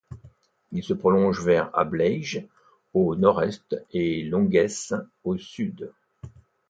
Il se prolonge vers Ableiges au nord-est et Longuesse au sud.